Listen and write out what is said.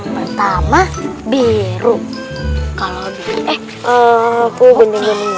pertama biru kalau eh aku gini gini